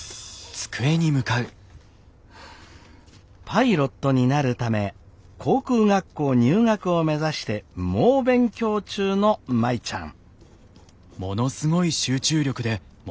パイロットになるため航空学校入学を目指して猛勉強中の舞ちゃん。